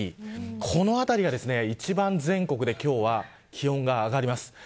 この辺りが一番全国で、今日は気温が上がります。